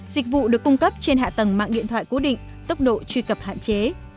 dịch vụ được cung cấp trên hạ tầng mạng điện thoại cố định tốc độ truy cập hạn chế